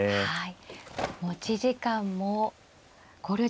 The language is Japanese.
はい。